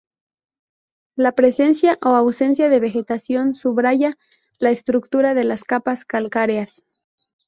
La presencia o ausencia de vegetación subraya la estructura de las capas calcáreas.